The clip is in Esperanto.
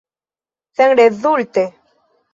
Senrezulte.